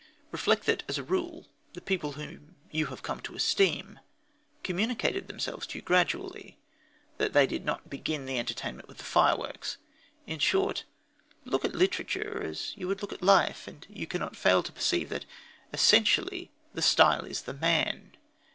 Reflect that, as a rule, the people whom you have come to esteem communicated themselves to you gradually, that they did not begin the entertainment with fireworks. In short, look at literature as you would look at life, and you cannot fail to perceive that, essentially, the style is the man.